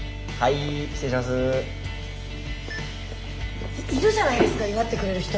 いるじゃないですか祝ってくれる人。